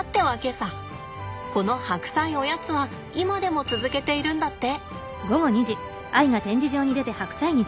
この白菜おやつは今でも続けているんだって。